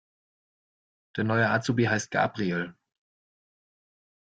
Der neue Azubi heißt Gabriel.